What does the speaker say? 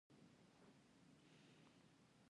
د مار د چیچلو لپاره کوم ضماد وکاروم؟